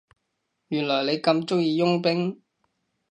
原來你咁鍾意傭兵